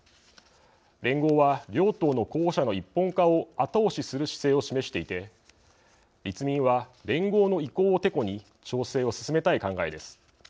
連合は両党の候補者の一本化を後押しする姿勢を示していて立民は連合の意向をてこに調整を進めたい考えです。